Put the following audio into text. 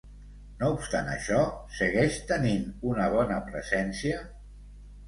No obstant això, segueix tenint una bona presència?